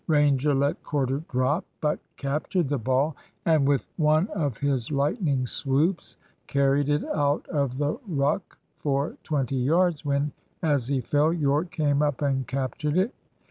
Ranger let Corder drop, but captured the ball, and with one of his lightning swoops carried it out of the ruck for twenty yards, when, as he fell, Yorke came up and captured it.